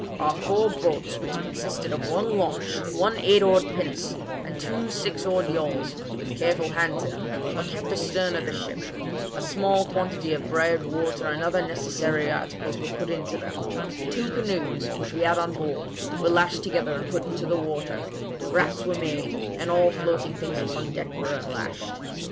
Our four boats, which consisted of one launch, one eight oared pinnace, and two six oared yawls, with careful hands in them, were kept astern of the ship; a small quantity of bread, water, and other necessary articles, were put into them; two canoes, which we had on board, were lashed together and put into the water; rafts were made, and all floating things upon deck were unlashed.